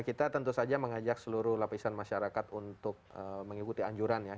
ya kita tentu saja mengajak seluruh lapisan masyarakat untuk mengikuti anjurannya